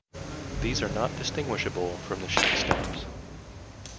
These are not distinguishable from the sheet stamps.